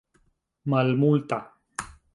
malmulta